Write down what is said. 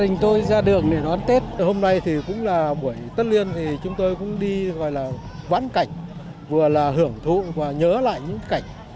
hôm nay cũng là buổi tất liên chúng tôi cũng đi vãn cảnh vừa là hưởng thụ và nhớ lại những cảnh